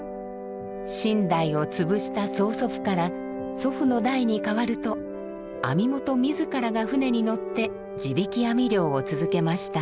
身代を潰した曽祖父から祖父の代に替わると網元自らが船に乗って地引網漁を続けました。